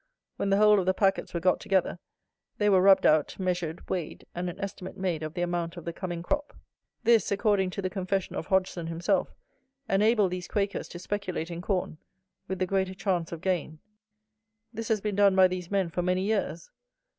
When the whole of the packets were got together, they were rubbed out, measured, weighed, and an estimate made of the amount of the coming crop. This, according to the confession of Hodgson himself, enabled these Quakers to speculate in corn, with the greater chance of gain. This has been done by these men for many years.